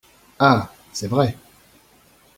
Ah ! c’est vrai.